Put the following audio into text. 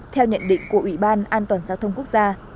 theo nhận định của ủy ban an toàn giao thông quốc gia